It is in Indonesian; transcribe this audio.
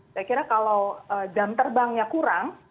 saya kira kalau jam terbangnya kurang